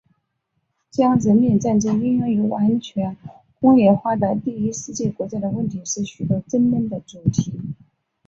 将人民战争应用于完全工业化的第一世界国家的问题是许多争论的主题。